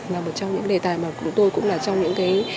là một trong những đề tài mà chúng tôi cũng là trong những cái